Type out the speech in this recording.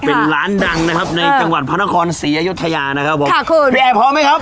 เป็นร้านดังในจังหวัดพระนครศรีอยุธยานะครับพี่แอพร้อมไหมครับ